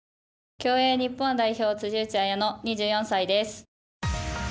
競泳、日本代表辻内彩野、２４歳です。